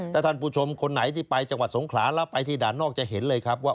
ถ้าท่านผู้ชมคนไหนที่ไปจังหวัดสงขลาแล้วไปที่ด่านนอกจะเห็นเลยครับว่า